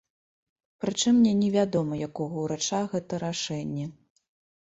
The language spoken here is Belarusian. Пры чым мне не вядома якога ўрача гэта рашэнне.